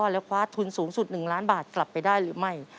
และคว้าทุนสูงสุด๑ล้านบาทกลับไปได้หรือไม่